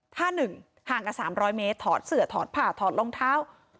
ถ้า๑ห่างกับ๓๐๐เมตรถอดเสือถอดผ่าถอดรองเท้า